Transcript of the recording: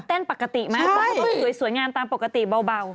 แต้นปกติไหมครับเพราะเขาก็สวยงานตามปกติเบาใช่